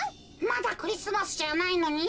まだクリスマスじゃないのに？